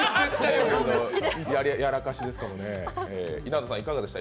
やらかしですからね。